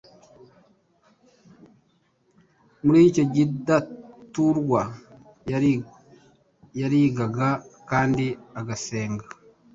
Muri icyo kidaturwa yarigaga kandi agasenga,